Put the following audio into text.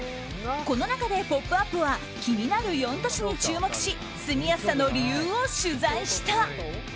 この中で「ポップＵＰ！」は気になる４都市に注目し住みやすさの理由を取材した。